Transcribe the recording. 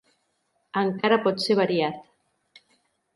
Encara pot ser variat.